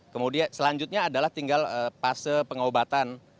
kemudian selanjutnya adalah tinggal fase pengobatan